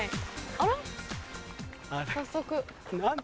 あれ？